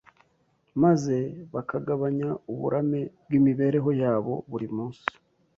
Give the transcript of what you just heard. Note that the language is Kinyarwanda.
maze bakagabanya uburame bw’imibereho yabo buri munsi.